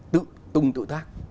tự tung tội tác